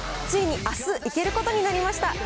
ついにあす、行けることになりました。